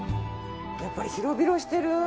やっぱり広々してる。